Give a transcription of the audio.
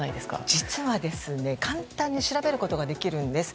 実は、簡単に調べることができるんです。